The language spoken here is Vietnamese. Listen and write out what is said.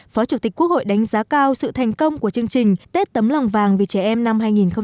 phó chủ tịch quốc hội đánh giá cao sự thành công của chương trình tết tấm lòng vàng vì trẻ em năm hai nghìn hai mươi